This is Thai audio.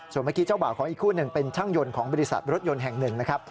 ส่วนเมื่อกี้เจ้าบ่าวของอีกคู่หนึ่งเป็นช่างยนต์ของบริษัทรถยนต์แห่งหนึ่งนะครับ